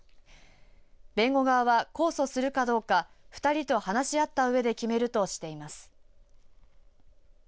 弁護側は控訴するかどうか２人と話し合ったうえで決めるとしています。